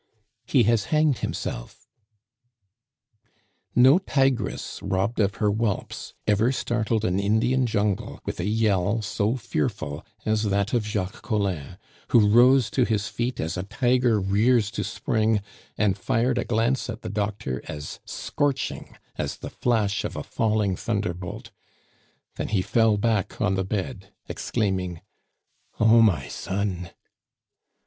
"He has hanged himself " No tigress robbed of her whelps ever startled an Indian jungle with a yell so fearful as that of Jacques Collin, who rose to his feet as a tiger rears to spring, and fired a glance at the doctor as scorching as the flash of a falling thunderbolt. Then he fell back on the bed, exclaiming: "Oh, my son!"